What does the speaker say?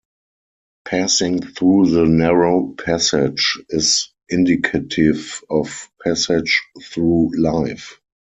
Passing through the narrow passage is indicative of passage through life.